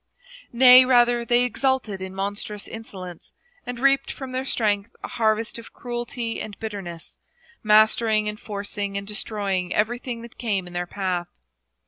Nay rather, they exulted in monstrous insolence, and reaped from their strength a harvest of cruelty and bitterness, mastering and forcing and destroying everything that came in their path.